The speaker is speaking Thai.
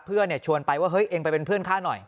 ชวนไปว่าเฮ้ยเองไปเป็นเพื่อนข้าหน่อย